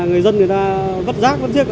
người dân người ta vất giác vất giếc